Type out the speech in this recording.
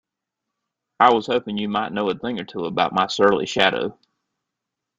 I was hoping you might know a thing or two about my surly shadow?